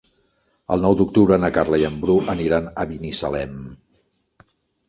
El nou d'octubre na Carla i en Bru aniran a Binissalem.